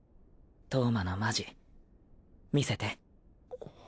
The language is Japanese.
橙真のマジ見せて。